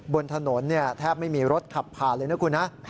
บนถนนแทบไม่มีรถขับผ่านเลยนะคุณนะ